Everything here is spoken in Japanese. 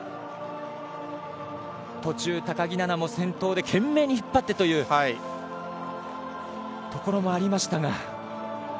途中、高木菜那も先頭で懸命に引っ張ってというところもありましたが。